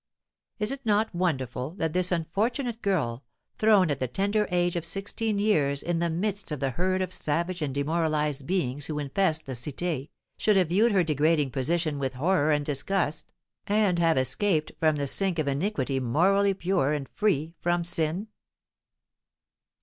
Is it not wonderful that this unfortunate girl, thrown at the tender age of sixteen years in the midst of the herd of savage and demoralised beings who infest the Cité, should have viewed her degrading position with horror and disgust, and have escaped from the sink of iniquity morally pure and free from sin?